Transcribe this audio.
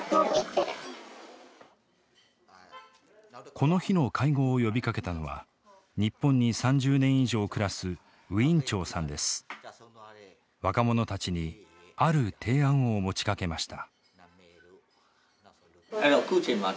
この日の会合を呼びかけたのは日本に３０年以上暮らす若者たちにある提案を持ちかけました。